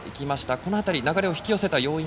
この辺り、流れを引き寄せた要因